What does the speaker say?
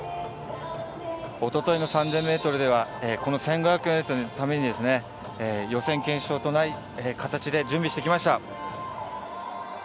おととい３０００ｍでは、この１５００ｍのために、予選、決勝となる形で準備してきました。